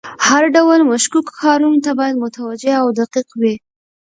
هر ډول مشکوکو کارونو ته باید متوجه او دقیق وي.